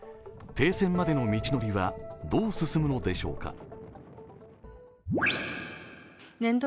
停戦までの道のりはどう進むのでしょうか。